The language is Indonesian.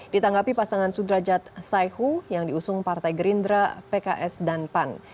ditanggapi pasangan sudrajat saihu yang diusung partai gerindra pks dan pan